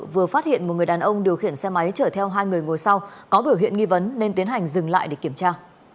vừa phát hiện một người đàn ông điều khiển xe máy chở theo hai người ngồi sau có biểu hiện nghi vấn nên tiến hành dừng lại để kiểm tra